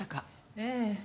ええ。